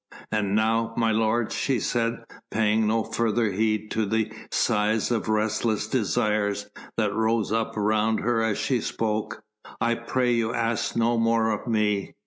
"And now, my lords," she said, paying no further heed to the sighs of restless desires that rose up round her as she spoke, "I pray you ask no more of me.